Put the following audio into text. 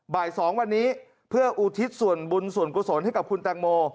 บ่าย๒วันนี้เพื่ออุทิศส่วนบุญส่วนกุศลให้กับคุณแตงโม